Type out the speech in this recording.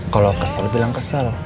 kalau kesel bilang kesel